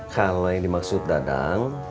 kalau yang dimaksud dadang